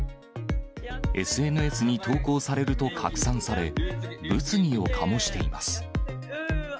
ＳＮＳに投稿されると拡散され、物議を醸しています。